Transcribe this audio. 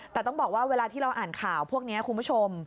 แต่ต้องบอกว่าเวลาที่เราอ่านข่าวพวกนี้คุณผู้ชม